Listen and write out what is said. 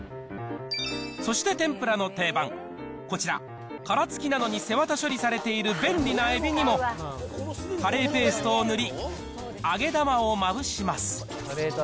そして天ぷらの定番、こちら、殻付きなのに背わた処理されている便利なえびにも、カレーペーストを塗り、揚げ玉をまぶします。